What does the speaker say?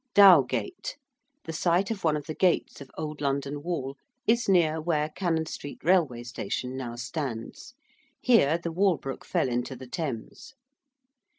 ~Dowgate~: the site of one of the gates of Old London Wall is near where Cannon Street Railway Station now stands: here the Walbrook fell into the Thames.